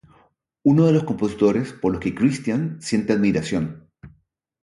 Uno de los compositores por los que Christian siente admiración.